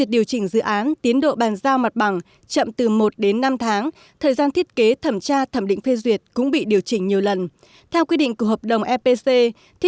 dự án bị điều chỉnh nhiều lần là bởi